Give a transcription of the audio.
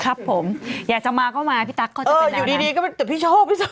ครับผมอยากจะมาก็มาพี่ตั๊กก็จะเป็นแนวนั้นเอออยู่ดีแต่พี่ชอบพี่ชอบ